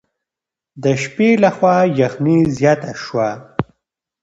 د شپې له خوا یخني زیاته شوه.